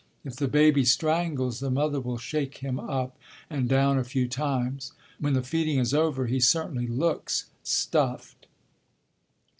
If the baby strangles, the mother will shake him up and down a few times. When the feeding is over, he certainly looks "stuffed."